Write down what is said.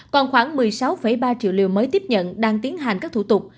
còn khoảng một mươi sáu ba triệu liều mới tiếp nhận đang tiến hành các thủ tục